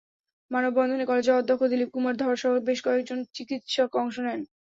মানববন্ধনে কলেজের অধ্যক্ষ দিলীপ কুমার ধরসহ বেশ কয়েকজন চিকিত্সক অংশ নেন।